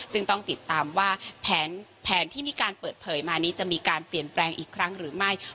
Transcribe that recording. ซึ่งต้องติดตามว่าแผนที่มีการเปิดเผยมานี้จะมีการเปลี่ยนแปลงอีกครั้งหรือไม่